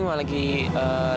satu pintu lagi tapi komudi